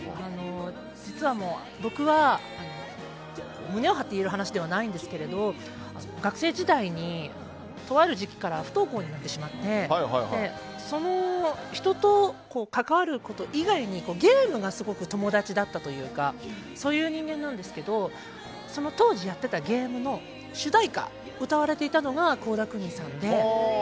実は僕は胸を張って言える話ではないんですけど学生時代にとある時期から不登校になってしまって人と関わること以外にゲームがすごく友達だったというかそういう人間なんですけどその当時やっていたゲームの主題歌を歌われていたのが倖田來未さんで。